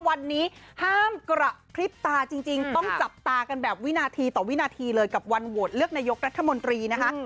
วันนี้ห้ามกระพริบตาจริงต้องจับตากันแบบวินาทีต่อวินาทีเลยกับวันโหวตเลือกนายกรัฐมนตรีนะคะ